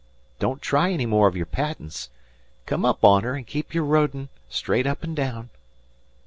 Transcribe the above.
Don't try any more o' your patents. Come up on her, and keep your rodin' straight up an' down."